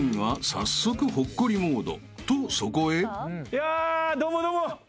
・いやどうもどうも。